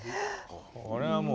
これはもう。